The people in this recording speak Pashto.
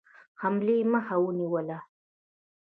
حملې مخه ونیوله.